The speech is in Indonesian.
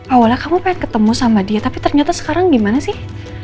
awalnya kamu pengen ketemu sama dia tapi ternyata sekarang gimana sih